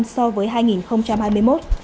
so với năm hai nghìn hai mươi một